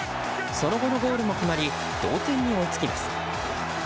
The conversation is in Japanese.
その後のゴールも決まり同点に追いつきます。